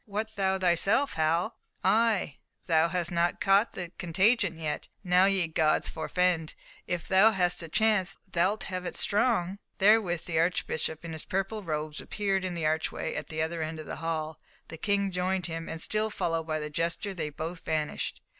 What, thou thyself, Hal? Ay, thou hast not caught the contagion yet! Now ye gods forefend! If thou hast the chance, thou'lt have it strong." Therewith the Archbishop, in his purple robes, appeared in the archway at the other end of the hall, the King joined him, and still followed by the jester, they both vanished.